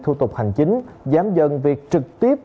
thủ tục hành chính giám dân việc trực tiếp